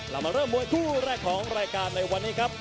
เรามาเริ่มมวยคู่แรกของรายการในวันนี้ครับ